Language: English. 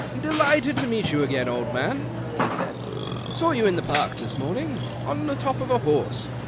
"Delighted to meet you again, old man," he said. " Saw you in the park this morning, on the top of a horse.